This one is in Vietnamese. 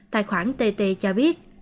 tài khoản tt cho biết